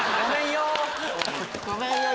ごめんよ。